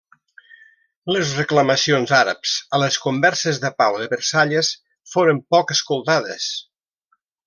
Les reclamacions àrabs a les converses de pau de Versalles foren poc escoltades.